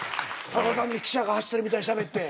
ただ単に汽車が走ってるみたいにしゃべって。